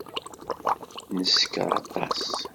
Neskeṛ aṭas.